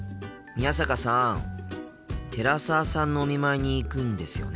寺澤さんのお見舞いに行くんですよね？